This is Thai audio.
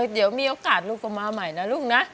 เดี๋ยวมีโอกาสลูกก็มาใหม่นะลูกนะ